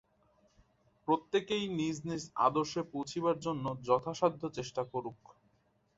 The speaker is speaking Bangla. প্রত্যেকেই নিজ নিজ আদর্শে পৌঁছিবার জন্য যথাসাধ্য চেষ্টা করুক।